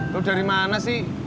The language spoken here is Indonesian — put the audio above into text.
lo dari mana sih